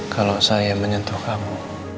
kalau saya menyentuh kamu